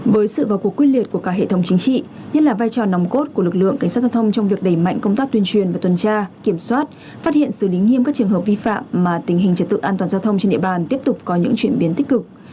với sự vào cuộc quyết liệt của cả hệ thống chính trị nhất là vai trò nòng cốt của lực lượng cảnh sát giao thông trong việc đẩy mạnh công tác tuyên truyền và tuần tra kiểm soát phát hiện xử lý nghiêm các trường hợp vi phạm mà tình hình trật tự an toàn giao thông trên địa bàn tiếp tục có những chuyển biến tích cực